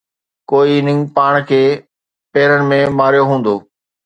ڪوئي اننگ پاڻ کي پيرن ۾ ماريو هوندو